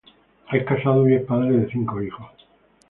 Es casado y es padre de cinco hijos.